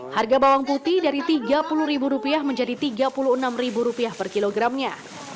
harga bawang putih dari rp tiga puluh menjadi rp tiga puluh enam per kilogramnya